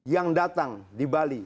yang datang di bali